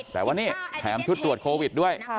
แต่ว่านี่แถมชุดตรวจโควิดด้วย